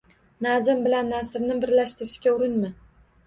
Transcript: Nazm bilan nasrni birlashtirishga urinma.